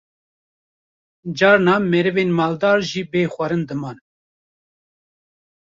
Carna merivên maldar jî bê xwarin diman